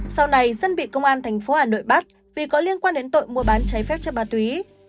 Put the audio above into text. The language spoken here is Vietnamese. sau này dân bị công an thành phố hà nội bắt vì có liên quan đến tội mua bán cháy phép cho bà túy